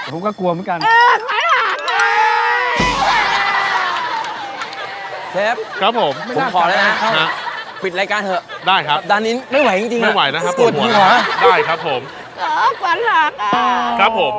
ผมก็กลัวเหมือนกัน